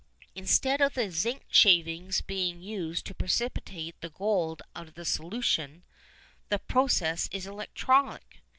Instead of the zinc shavings being used to precipitate the gold out of the solution, the process is electrolytic.